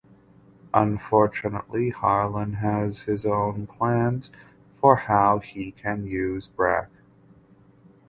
Unfortunately Harlan has his own plans for how he can use Brack.